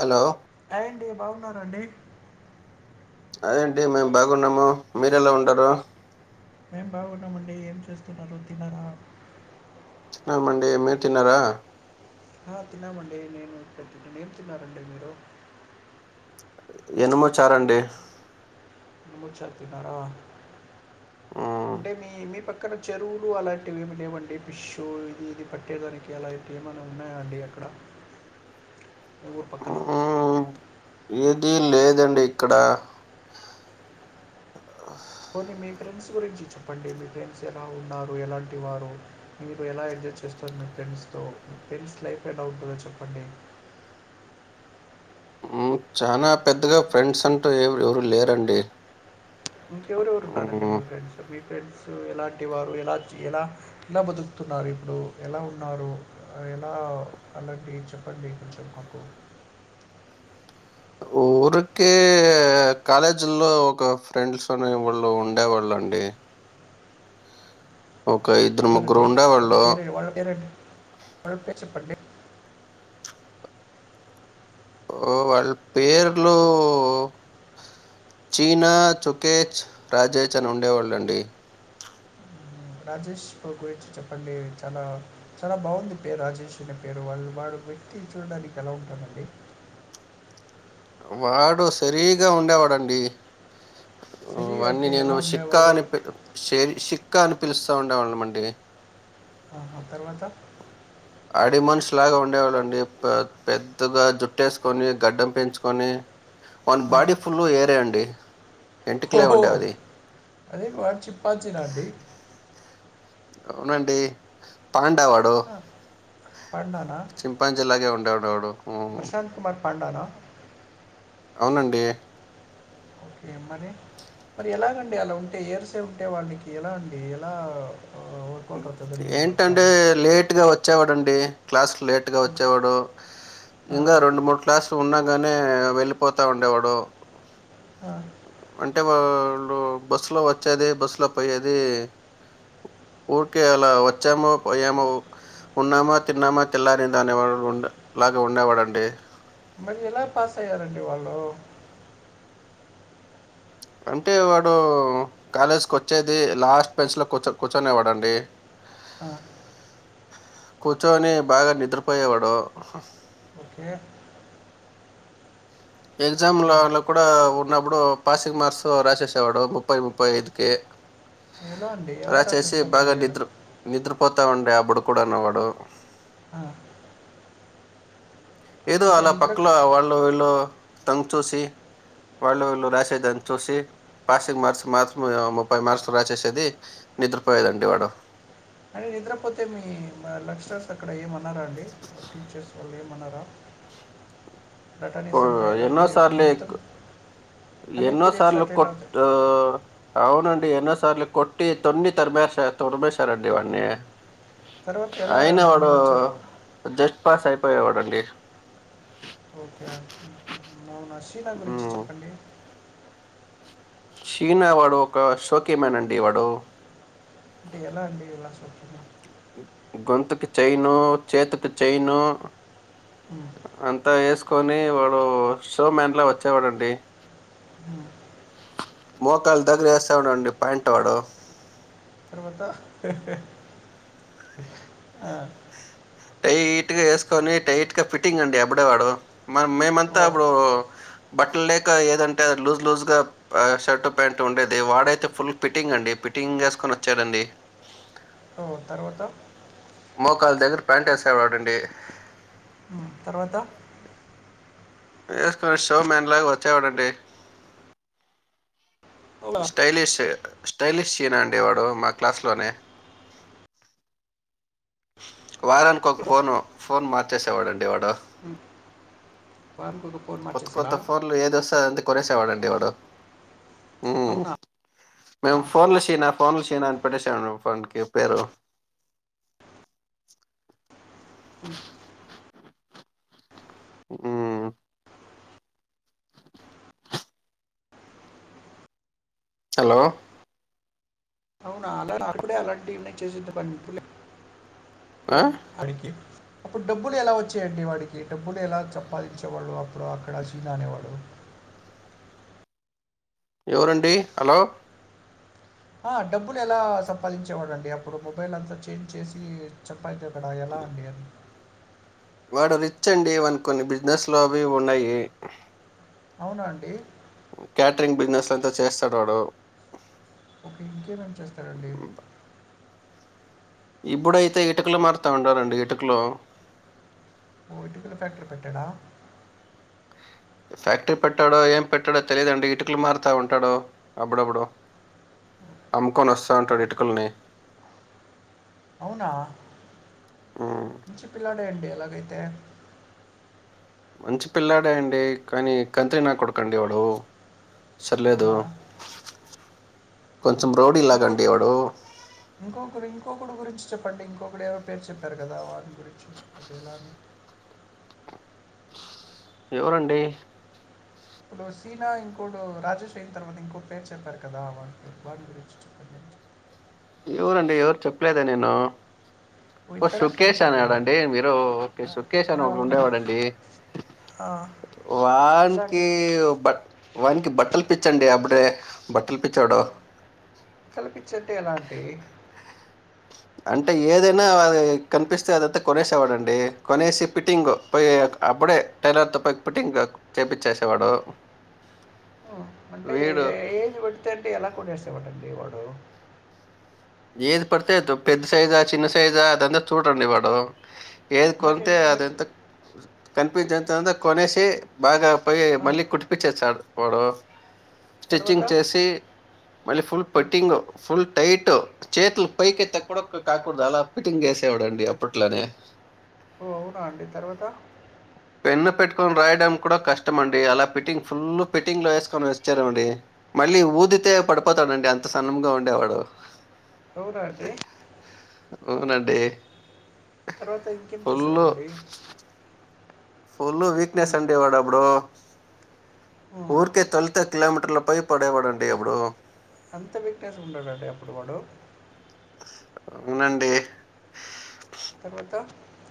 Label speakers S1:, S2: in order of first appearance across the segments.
S1: Hello
S2: hi అండి బాగున్నారండి
S1: అదే అండి మేము బాగున్నాం. మీరు ఎలా ఉన్నారు.
S2: మేము బాగున్నామండి ఏం చేస్తున్నారు తినరా
S1: తిన్నావండి మీరు తిన్నారా
S2: తిన్నామండి నేను ఇప్పుడు ఏమ్ తిన్నారండి మీరు
S1: ఎనిమోచ్చారండి
S2: నుచ్చ తిన్నారా
S1: మ్మ్
S2: అంటే మీ మీ పక్క అక్కడ చెరువులు అలాంటివి ఏమి లేవండి ఫిష్ ఇది ఇది పట్టేదానికి అలాంటివి ఏమైనా ఉన్నాయా అండి అక్కడ ఊరు పక్కన
S1: మ్మ్ ఏది లేదండి ఇక్కడ
S2: పోనీ మీ ఫ్రెండ్స్ గురించి చెప్పండి మీ ఫ్రెండ్స్ ఎలా ఉంటారు ఎలాంటి వారు మీరు ఎలా ఎంజాయ్ చేస్తారు మీ ఫ్రెండ్స్ తో మీ ఫ్రెండ్స్ లైఫ్ ఎలా ఉంటుందో చెప్పండి
S1: చాలా పెద్దగా ఫ్రెండ్స్ అంటూరు ఎవరు లేరండి
S2: ఇంకెవరెవరు ఉన్నారండి
S1: మ్మ్
S2: మీ ఫ్రెండ్స్ మీ ఫ్రెండ్స్ ఎలాంటి వారు ఎలా ఎలా ఏలా బతుకుతున్నారు ఇప్పుడు ఎలా ఉన్నారు ఎలా అన్నది చెప్పండి కొంచెం మాకు
S1: ఊరికే కాలేజీలో ఒక ఫ్రెండ్స్ అనే వాళ్ళు ఉండేవాళ్ళండి ఒక ఇద్దరు ముగ్గురు
S2: ఏవరండి వాళ్ళ
S1: ఉండేవాళ్ళు
S2: పేరు వాళ్ళ పేరండి వాళ్ళ పేరు చెప్పండి
S1: ఓ వాళ్ళ పేర్లు చీనా చుకేచ్ రాజేజ్ అని ఉండేవాల్లు అండి
S2: మ్, రాజేష్ బ్రో గురించి చెప్పండి చాలా చాలా బాగుంది పేరు రాజేష్ అనే పేరు వాళ్ళు వాడు వ్యక్తి చూడడానికి ఎలా ఉంటాటడి
S1: వాడు సరిగా ఉండేవాడండి
S2: సిరి
S1: వాన్నీ
S2: అంటే ఎలా
S1: నేను షిక్కా
S2: ఉండేవాడు
S1: అని పిల్ షిక్క అని పిలుస్తా ఉండేవాళ్ళమండి
S2: ఆహ తర్వాత
S1: అడవి మనిషిలాగా ఉండేవాడండి పెద్దగా జుట్టేసుకొని గడ్డం పెంచుకొని వని
S2: ఆ,
S1: బాడీ ఫుల్ ఏరేయండి
S2: ఓహో అదే వన్ చింపంజినా అండి
S1: అవునండి పాండ వాడు
S2: పండానా
S1: చింపాన్జిలా గే ఉండేవాడు వాడు హ్మ్
S2: ప్రశాంత్ కుమార్ పాండానా
S1: అవునండి
S2: ఓకే మరి మరి ఎలాఅండి అలా ఉంటే ఎర్సే ఉంటే వాడికి ఎలా అండి ఎలా ఆ
S1: ఏంటంటే లేట్గా వచ్ వచ్చేవాడుండి క్లాస్ లేట్గా వచ్చేవాడు
S2: ఆ!
S1: ఇంగ రెండు మూడ్ క్లాస్ ఉన్నాగాని వెళ్ళిపోతా ఉండేవాడు
S2: ఆ
S1: అంటే వాళడు బస్సులో వచ్చేది బస్సులో పోయేది ఊరికే అలా వచ్చామ పోయామా ఉన్నామా తిన్నామా తెల్లారిందా అనే వాడు లాగా ఉండేవాడండి
S2: మరి ఎలా పాస్ అయ్యారండి వాళ్ళు
S1: అంటే వాడు కాలేజ్కి వచ్చేది లాస్ట్ బెంచ్ లో కూర్చొ కూర్చొనేవాడండి
S2: ఆ
S1: కూర్చొని బాగా నిద్రపోయేవాడు
S2: ఓకే.
S1: ఎగ్జామ్లలో కూడా ఉన్నప్పుడు పాసింగ్ మార్క్స్ రాసేవాడు ముప్పై ముప్పై ఐదుకి
S2: ఎలా అండి? ఎలా
S1: రాసేసి బాగా
S2: రాసేస్తారండి అలా?
S1: నిద్ర నిద్రపోతా ఉండే అప్పుడు కూడానూ వాడు
S2: ఆ!
S1: ఏదో
S2: అంటే
S1: అలా
S2: నిద్ర క
S1: పక్కలో వాళ్ళు వీళ్ళు తొంగి చూసి వాళ్ళు వీళ్ళు రాసేదాన్ని చూసి పాసింగ్ మార్క్స్ మార్స్ ముప్పై మార్క్స్ రాసేసేది నిద్రపోయేదండి వాడు
S2: కానీ నిద్రపోతే మీ అ లేచ్లర్స్ అక్కడ ఏమన్నారా అండి వర్తించేస్ వాళ్ళు ఏమనరా బటనీస్ అంత
S1: కో-
S2: ఎలాతినేది మొత్తం అన్ని
S1: ఎన్నో
S2: పీరియడ్స్
S1: సార్లు
S2: అటెండ్
S1: కొట్
S2: అవుతాయి.
S1: మ్ అవునండి ఎన్నో సార్లు కొట్టి తొన్ని తరిమేస్ తొరమేశారండి వాన్ని
S2: తర్వాత ఎలా
S1: అయినా
S2: మళ్ళీ
S1: వాడు
S2: వచ్చారు?
S1: జస్ట్ పాస్ అయిపోయేవాడండి
S2: ఓకే అండి మరి నాష్షిల గురించి
S1: ఉమ్.
S2: చెప్పండి
S1: చీనా వాడు ఒక షోకీమన్ అండి వాడు
S2: అంటే ఎలా అండి ఇలా చెప్తున్నారు
S1: గొంతుకు చైను చేతికి చైను అం
S2: ఉమ్,
S1: అంత వేసుకొని వాడు షో మ్యాన్లా వచ్చేవాడండి
S2: ఉమ్,
S1: మోకాళ్లు దగ్గర వేస్తాడండి ప్యాయింట్ వాడు
S2: తర్వాతా ఆ
S1: టైట్గా వేసుకొని టైట్గా ఫిట్టింగ్ అండి అప్పుడేవాడు మ మేమంతా
S2: వ-
S1: అప్పుడు బట్టలు లేక ఏదంటే అ లూజ్ లూజ్ గా షర్టు ప్యాంట్ ఉండేది వాడైతే ఫుల్ పిట్టింగ్ అండి పిట్టింగ్ వేసుకొని వచ్చానండి
S2: ఒ తర్వాత
S1: మోకాళ దగ్గర ప్యాంట్ వేసేవాడండి
S2: ఉమ్, తర్వాత
S1: వేసుకొని షో మేన్ లాగా వచ్చేవాడండి
S2: అవునా
S1: స్టైలిష్ స్టైలిష్ సీన అండి వాడు మా క్లాస్లోనే వారానికి ఒక ఫోను ఫోన్ మార్చేసేవాడండి వాడు
S2: వారానికి ఒక ఫోన్
S1: కొత్త
S2: మార్చేసాడా
S1: కొత్త ఫోన్లు ఏది వస్తె అదంతా కొనేసేవాడండి వాడు ఊ
S2: అవునా
S1: మేము ఫోన్లు షీనా ఫోన్లు షినా అని పెట్టేసాం మండి వానికి పేరు
S2: ఉ
S1: ఊ హలో
S2: అవునా అలా అప్పుడే అలాంటివి ఏన్నా చేసింది పనిలే
S1: ఆ
S2: అడికి అప్పుడు డబ్బులు ఎలా వచ్చాయండి వాడికి డబ్బులు ఎలా సంపాదించే వాడు అప్పుడు అక్కడ సీనా అనేవాడు
S1: ఎవరండి హలో
S2: డబ్బులు ఎలా సంపాదించేవాడండి అప్పుడు మొబైల్ అంతా చేంజ్ చేసి చెప్ప అయితేక్కడ ఎలా అండి అ
S1: వాడు రిచ్ అండి వానికి కొన్ని బిజినెస్లు అవి ఇవి ఉన్నాయి
S2: అవునాండి
S1: క్యటరింగ్ బిజినెస్ లంతా చేస్తాడు వాడు
S2: ఒక ఇంకేమేం చేస్తారండి
S1: ఇప్పుడైతే ఇటుకలు మారుతా ఉండారండి ఇటుకలో
S2: ఇటికల్ ఫ్యాక్టరీ పెట్టాడా
S1: ఫ్యాక్టరీ పెట్టాడో ఏం పెట్టాడో తెలియదండి ఇటుకలు మారుతా ఉంటాడో అప్పుడప్పుడు అమ్ముకొని వస్తా ఉంటాడు
S2: ఓకే.
S1: ఇటికల్ని
S2: అవునా
S1: ఉమ్,
S2: మంచి పిల్లాడే అండి అలాగైతే
S1: మంచి పిల్లాడే అండి కానీ కంత్రి నా కొడుకండి వాడు సర్లేదు
S2: అవునా? హ్మ్.
S1: కొంచెం రౌడీ
S2: ఇంకో
S1: లాగండి వాడు
S2: ఇంకొకరు ఇంకొకడు గురించి చెప్పండి ఇంకొకడు ఏవో పేరు చెప్పారు కదా వాని గురించి చెప్పండి ఎలాని
S1: ఎవరండి
S2: ఇప్పుడు సీనా ఇంకోడు రాజేష్ అయిన తర్వాత ఇంకోటి పేరు చెప్పారు కదా వాన్ పేరు వాని గురించి చెప్పండి
S1: ఎవరండి ఎవరు చెప్పలేదే నేను
S2: ఓహ్!
S1: ఓ
S2: ఇద్దరే
S1: సుకేష్
S2: ఫ్రెండ్సా వీళ్ళు?
S1: అనేవాడండి మీరు ఒకే
S2: ఆ!
S1: సుకేష్
S2: ఆ!
S1: అనేవాడు ఒకడు
S2: అవునండి.
S1: ఉండేవాడండి
S2: ఆ! ఎలా అండి?
S1: వాన్కి బ వానికి బట్టలు పిచ్చండి అప్పుడే బట్టలు పిచ్చోడు
S2: కల్పచ్చింటే ఎలా అంటి
S1: అంటే ఏదైనా అది కనిపిస్తే అదంతా కొనేసేవాడండి కొనేసి ఫిట్టింగ్ పోయ్యేక్ అప్పుడే టైలర్ త పైక్ పెట్టి ఇంకా చేపిచ్చేసేవాడు
S2: ఉ అంటే
S1: వీడు
S2: ఏ ఏజ్ పెడితే అంటే ఎలా కొనేేసేవాటండి వాడు
S1: ఏది పడితే అదొ పెద్ద సైజా చిన్న సైజా అదంతా చూడండి వాడు ఏది
S2: మరి
S1: కొతే
S2: అండి మరి?
S1: అదంతా కనిపించేంతంత కొనేసి బాగా పై
S2: ఆ!
S1: మళ్ళీ కుటిపి చేసాడు వాడు
S2: తర్వాత?
S1: స్టిచ్చింగ్ చేసి మళ్ళీ ఫుల్
S2: హ్మ్.
S1: పటింగ్ ఫుల్ టైట్ చేతులు పైకేత్తా కూడా ఒ కాకూడదు అలా ఫిటింగ్ చేసేవాడండి అప్పట్లోనే
S2: ఓ అవునా అండి తర్వాత
S1: పెన్ను పెట్టుకొన్ రాయడం కూడా కష్టమండి అలా ఫిట్టింగ్ ఫుల్ ఫిట్టింగ్ లో ఏసుకొని వెచ్చారమండి మళ్ళీ ఊదితే పడిపోతాడుండి అంత సన్నం గా ఉండేవాడు
S2: అవునా అండి
S1: అవునండి
S2: తర్వాత ఇంకేం
S1: ఫుల్
S2: చేసేవాడండి
S1: ఫుల్లు వీక్నెస్
S2: ఉమ్,
S1: అండి వాడప్పుడు
S2: ఉమ్.
S1: ఊరికే తొల్లితే కిలోమీటర్ల పై పడేవాడండి అప్పుడు
S2: అంత వీక్నెస్ ఉన్నాడండి అప్పుడు వాడు
S1: వునండి
S2: తర్వాత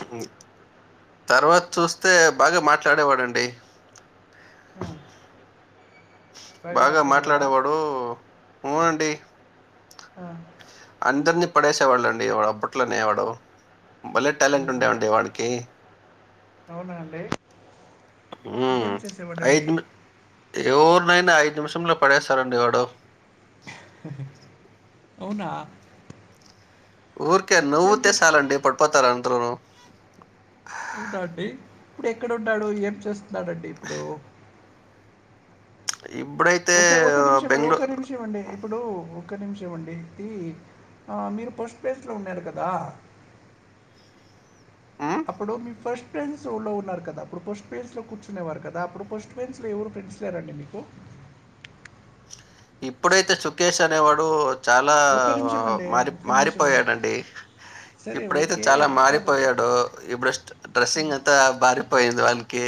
S1: ఉ తర్వాత్ చూస్తే బాగా మాట్లాడే వాడండి
S2: ఉ
S1: బాగా మాట్లాడేవాడు వు అండి
S2: ఆ
S1: అందరినీ పడేసేవాళ్ళండి వాడు అప్పట్లోనేవాడు భలే
S2: ఉమ్,
S1: టాలెంట్ ఉండే
S2: ఇంకేం
S1: వండి వాడికి
S2: అవునా అండి
S1: హ్మ్.
S2: ఇంకేం చేసేవాడండి
S1: ఐదు ని- ఎవరినైనా ఐదు నిమిషంలో పడేస్తాడండి వాడు
S2: హె హె అవునా
S1: ఊరికే
S2: ఇంకేం
S1: నవ్వుతేే
S2: చేసే
S1: సాలండి పడిపోతారు అందరను
S2: అవుడాండి ఇప్పుడు ఎక్కడున్నాడు ఏం చేస్తున్నాడండి ఇప్పుడు
S1: ఇబ్బుడయ్
S2: ఒక ఒక నిమిషమయ్ ఒక నిమిషం అండి ఇప్పుడు ఒక నిమిషం అండి తి ఆ మీరు ఫస్ట్ ప్లేస్ లో ఉన్నారు కదా
S1: హ్మ్?
S2: అప్పుడు మీ ఫస్ట్ ప్రేజస్ లో ఉన్నారు కదా అప్పుడు ఫస్ట్ ప్రేజస్ లో కూర్చునేవారు కదా అప్పుడు ఫస్ట్ ఫ్రెండ్స్ లొ ఎవరు ఫ్రెండ్స్ లేరా అండి మీకు
S1: ఇప్పుడైతే చుకేష్ అనేవాడు చాలా
S2: ఒక్క నిమిషం అండి
S1: మారి
S2: ఒక్క నిమిషం
S1: మారిపోయాడండి
S2: సరే
S1: ఇప్పుడైతే
S2: ఓకే
S1: చాలా
S2: కాదు
S1: మారిపోయాడు ఇప్పుడస్ట్ డ్రెస్సింగ్ అంత బారిపోయింద్ వానికి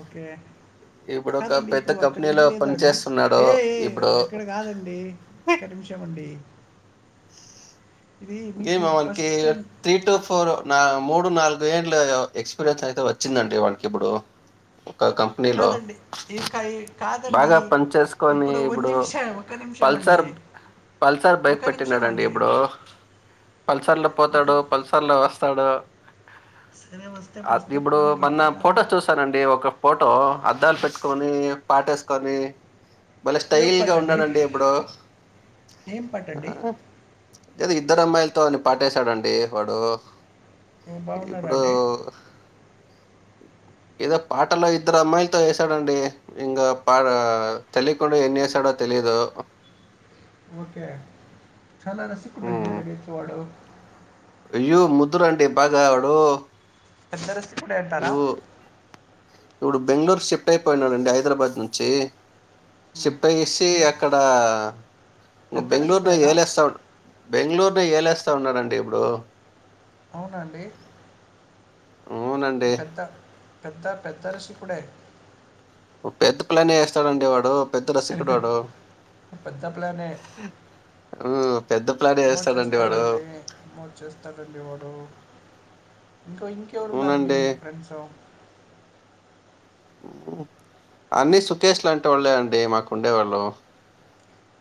S2: ఓకే
S1: ఇప్పుడు ఒక
S2: కాదండి
S1: పెద్ద
S2: ఇప్పుడు అక్కడ ఇది
S1: కంపెనీలో
S2: లేదాండి
S1: పనిచేస్తున్నాడు
S2: వే ఏ ఏ
S1: ఇప్పుడు
S2: ఎక్కడ కాదండి క్క నిమిషమండి ఇది మీకు
S1: ఏమో వానికి
S2: first praise
S1: three to four నా మూడు నాలుగు ఏండ్ల ఎక్స్పీరియన్స్ అయితే వచ్చిందండి వాడికిప్పుడు ఓకే అక్క నీలో
S2: కాదండి ఇది కా- కాదండి
S1: బాగా పని చేసుకొని
S2: ఒక
S1: ఇప్పుడు
S2: నిమిషం ఒక నిమిషం అండి
S1: పల్సర్ పల్సర్ బైక్
S2: ఒక నిమిషం
S1: పెట్టినాడండి
S2: అండి
S1: ఇప్పుడు పల్సర్ లో
S2: ఒక
S1: పోతాడు పల్సర్ లో వస్తాడు
S2: సరే వస్తే
S1: ఆ దీ
S2: వస్తే
S1: ఇప్పుడు
S2: పోనీ వస్తే
S1: మన
S2: రాని
S1: ఫోటోస్ చూస్త వస్తుందండి ఒక ఫోటో అద్దాలు పెట్టుకొని పాటేసుకొని భలే
S2: ఏం
S1: స్టైల్
S2: పాట
S1: గా
S2: అండి
S1: ఉన్నాడండి ఆప్పుడో
S2: ఏం పాట
S1: ఆ
S2: అండి
S1: ఎదో ఇద్దరు అమ్మాయిలతోని పాటేశాడండి వాడు
S2: ఓ, బాగున్నారా
S1: ఇప్పుడు
S2: అండి [unintelligible]
S1: ఏదో పాటలో ఇద్దరు అమ్మాయిలతో వేసాడండి ఇంగా పార్ తెలియకుండా ఎన్ని వేశాడో తెలియదు
S2: ఓకే చాలా రసికుడు అండి
S1: హ్మ్.
S2: అయితే వాడు
S1: అయ్యో ముద్దురు అండి బాగావాడు
S2: పెద్ద రసకుడే అంటారా
S1: ఇప్పుడు బెంగళూరు షిఫ్ట్ అయిపోయినాడుండి హైదరాబాద్ నుంచి
S2: హ్మ్.
S1: షిఫ్ట్ అయసి
S2: ఈయన
S1: అక్కడ ఇడ
S2: పెద్ద
S1: బెంగళూరు పోయి
S2: రసికుడేనా?
S1: ఏళస్తా బెంగళూరు పోయి ఏలేస్తా ఉన్నాడండి ఇప్పుడు
S2: అవునండి
S1: అవునండి
S2: పెద్ద పెద్ద పెద్ద రషి కూడె
S1: పెద్ద ప్లనే వేస్తాడుండి వాడు పెద్ద రసికుడు వాడు
S2: పెద్ద ప్లానే.
S1: ఆ పెద్ద ప్లానే వెస్తాడుండి వాడు
S2: మో చేస్తారండి వాడు ఇంకో ఇంకెవరు ఉన్నారండి
S1: అవునండి.
S2: మీకు ఫ్రెండ్స్ [unintelligible]
S1: అన్నీ సుకేష్ లా అంటే వాళ్ళే అండి మాకు ఉండేవాళ్ళు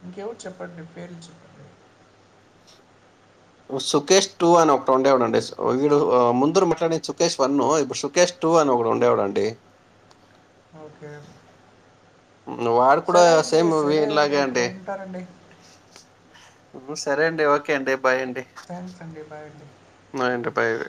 S2: ఇంకెవరు చెప్పండి పేర్లు చెప్ప
S1: సుకేష్ టూ అని ఒక ఉండేవాడు అండి వీడు ముందురు మాట్లాడిన సుకేష్ వన్ ఇప్పుడు సుకేష్ టూ అని ఒకడు ఉండేవాడండి
S2: ఓకే
S1: వాడు కూడా
S2: సరే అండి.
S1: సేమ్
S2: సరే
S1: వినిలాగే
S2: ఇప్పుడు
S1: అండి
S2: ఉంటానండి.
S1: సరే అండి ఓకే అండి బాయ్ అండి
S2: థ్యాక్స్ అండి బాయ్ అండి
S1: నైటి ఫైవ్